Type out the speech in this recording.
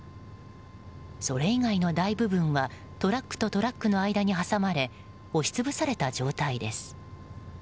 それ以外の大部分はトラックとトラックの間に挟まれ押し潰された状態です。